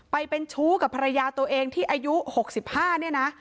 ไปเป็นชู้กับภรรยาตัวเองที่อายุ๖๕เนี่ยนะ